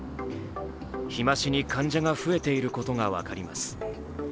日増しに患者が増えていることが分かります。